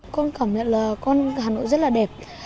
con cảm nhận là con hà nội rất là đẹp